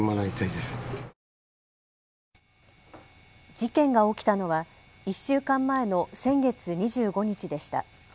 事件が起きたのは１週間前の先月２５日でした。